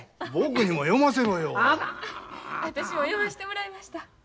私も読ましてもらいました。